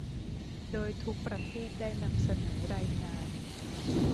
โดยทุกประเทศได้นำเสนอรายงาน